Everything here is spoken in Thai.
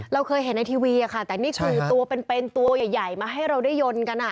เราเคยเห็นในทีวีค่ะแต่นี่คือตัวเป็นตัวใหญ่มาให้เราได้ยนต์กัน